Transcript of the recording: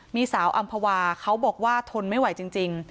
มีสาวอำภาวาเขาบอกว่าทนไม่ไหวจริง